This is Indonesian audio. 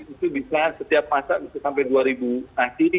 itu bisa setiap pasak bisa sampai dua ribu